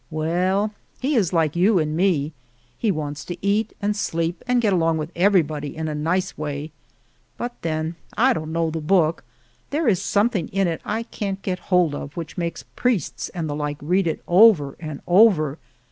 Well, he is like you and me, he wants to eat and sleep and get along with everybody in a nice way. But then I don't know the book. There is some thing in it I can't get hold of which makes priests and the like read it over and over.